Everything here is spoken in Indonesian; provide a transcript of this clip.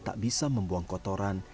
tak bisa membuang kotoran